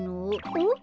おっ！